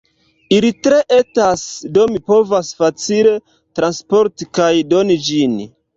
Ili tre etas, do mi povas facile transporti kaj doni ĝin.